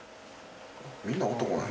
みんな男なんや。